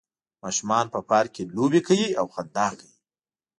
ماشومان په پارک کې لوبې کوي او خندا کوي